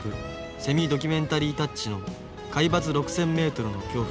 セミドキュメンタリータッチの「海抜六千米の恐怖」